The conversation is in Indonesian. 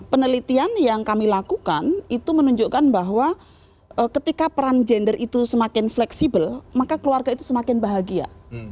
penelitian yang kami lakukan itu menunjukkan bahwa ketika peran gender itu semakin fleksibel maka keluarga itu semakin bahagia